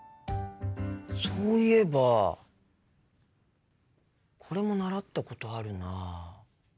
そういえばこれも習ったことあるな。